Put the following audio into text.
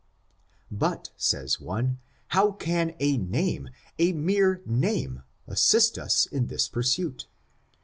But, says one, how can a name, a mere name, as sist us in this pursuit?